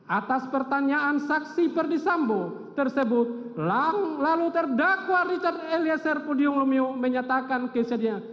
atas pertanyaan saksi perdisambo tersebut lalu terdakwa richard eliezer pudium lumiu menyatakan kesediaan